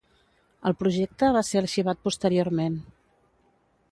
El projecte va ser arxivat posteriorment.